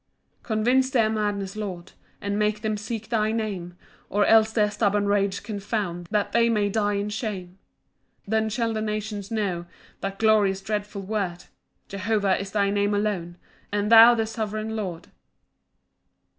7 Convince their madness, Lord, And make them seek thy Name Or else their stubborn rage confound, That they may die in shame. 8 Then shall the nations know That glorious dreadful word, Jehovah is thy name alone, And thou the sovereign Lord.